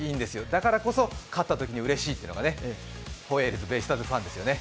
だからこそ、勝ったときにうれしいというのかホエールズ、ベイスターズファンですよね。